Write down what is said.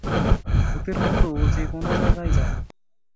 ভূতের মতো ও যে কোনো জায়গায় যায়!